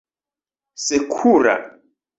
sekura